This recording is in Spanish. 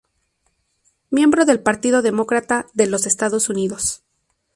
Miembro del Partido Demócrata de los Estados Unidos.